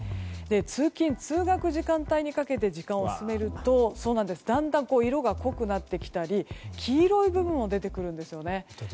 通勤・通学時間帯にかけて時間を進めるとだんだん色が濃くなってきたり黄色い部分も出てくるんですね。